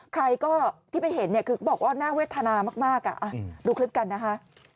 ใครก็ที่ไปเห็นเนี่ยคือบอกว่าน่าเวทนามากดูคลิปกันนะคะ